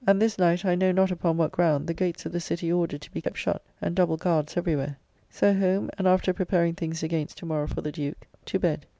And this night, I know not upon what ground, the gates of the City ordered to be kept shut, and double guards every where. So home, and after preparing things against to morrow for the Duke, to bed.